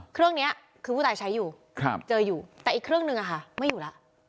เครื่องนี้คือผู้ตายใช้อยู่เจออยู่แต่อีกเครื่องนึงไม่อยู่แล้ว